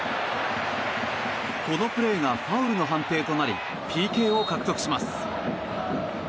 このプレーがファウルの判定となりＰＫを獲得します。